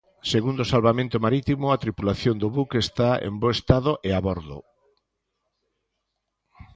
Segundo Salvamento Marítimo, a tripulación do buque está en bo estado e a bordo.